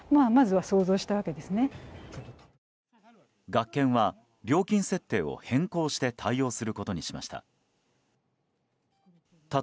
学研は、料金設定を変更して対応することにしました。